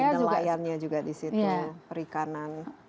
dari segi nelayan nya juga di situ perikanan